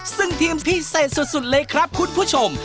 ซึ่งทีมพิเศษสุดเลยครับคุณผู้ชม